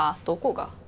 どこが？